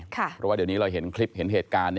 เพราะว่าเดี๋ยวนี้เราเห็นคลิปเห็นเหตุการณ์